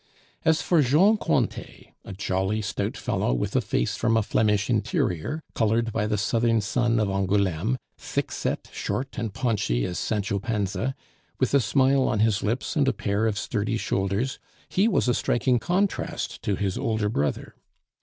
As for Jean Cointet, a jolly, stout fellow, with a face from a Flemish interior, colored by the southern sun of Angouleme, thick set, short and paunchy as Sancho Panza; with a smile on his lips and a pair of sturdy shoulders, he was a striking contrast to his older brother.